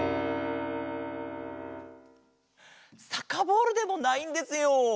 サッカーボールでもないんですよ。